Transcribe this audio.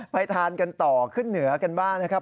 ทานกันต่อขึ้นเหนือกันบ้างนะครับ